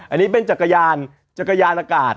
อันนี้เป็นจักรยานจักรยานอากาศ